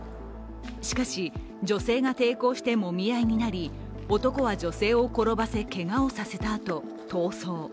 しかし、女性が抵抗してもみ合いになり男は女性を転ばせけがをさせたあと逃走。